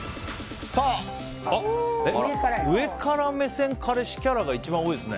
上から目線彼氏キャラが一番多いですね。